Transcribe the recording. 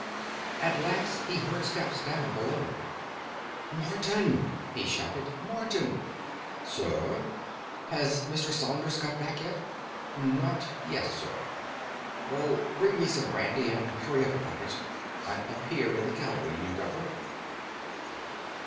At last he heard steps down below. "Morton!" he shouted; "Morton!" "Sir?" "Has Mr. Saunders got back yet?" "Not yet, sir." "Well, bring me some brandy, and hurry up about it. I'm up here in the gallery, you duffer."